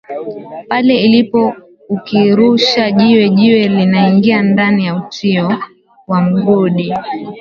pale ilipo ukirusha jiwe jiwe linaingia ndani ya utio wa mgodi